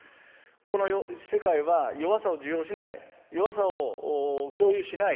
この世界は弱さを受容しない弱さを共有しない弱さを否定する。